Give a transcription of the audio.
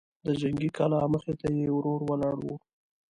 د جنګي کلا مخې ته يې ورور ولاړ و.